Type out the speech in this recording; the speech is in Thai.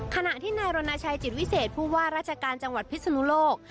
ขณะที่นายรณชัยจิตวิเศษผู้ว่าราชการจังหวัดพิศนุโลก